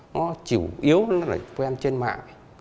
nó chủ yếu là quen trên mạng